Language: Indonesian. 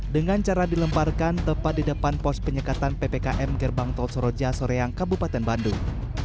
dengan cara dilemparkan tepat di depan pos penyekatan ppkm gerbang tol soroja soreang kabupaten bandung